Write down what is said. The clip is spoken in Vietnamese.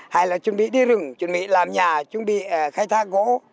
hay là chuẩn bị đi rừng chuẩn bị làm nhà chuẩn bị khai thác gỗ